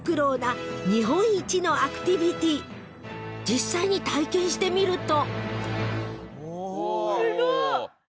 ［実際に体験してみると］